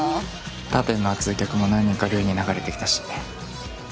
他店の熱い客も何人かルイに流れてきたし。